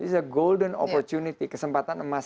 ini adalah kesempatan emas